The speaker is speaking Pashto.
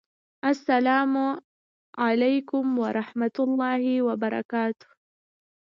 اسلام اعلیکم ورحمت الله وبرکاته